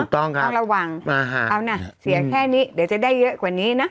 ต้องครับต้องระวังเอานะเสียแค่นี้เดี๋ยวจะได้เยอะกว่านี้นะ